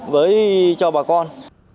với cho bà con